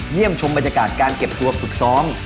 ชมบรรยากาศการเก็บตัวฝึกซ้อม